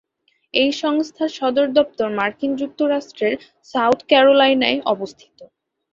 এই সংস্থার সদর দপ্তর মার্কিন যুক্তরাষ্ট্রের সাউথ ক্যারোলাইনায় অবস্থিত।